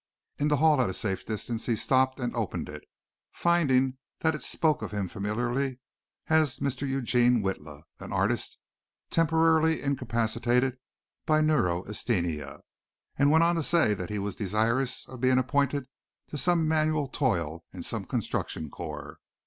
In the hall at a safe distance he stopped and opened it, finding that it spoke of him familiarly as "Mr. Eugene Witla, an artist, temporarily incapacitated by neurasthenia," and went on to say that he was "desirous of being appointed to some manual toil in some construction corps.